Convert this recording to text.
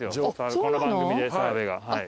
この番組で澤部が。